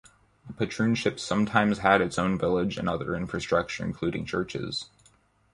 A patroonship sometimes had its own village and other infrastructure, including churches.